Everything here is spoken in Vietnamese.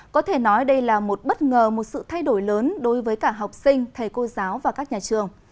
có thể nói đây là một bất ngờ một sự thay đổi lớn đối với cả học sinh thầy cô giáo và các nhà trường